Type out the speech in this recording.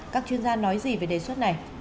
các chuyên gia nói gì về đề xuất này